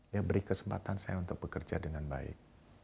ya beri kesempatan saya untuk bekerja dengan baik